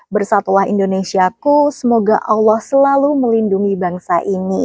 bersatulah indonesiaku semoga allah selalu melindungi bangsa ini